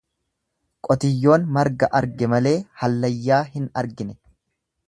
Qotiyyoon marga arge malee hallayyaa hin argine.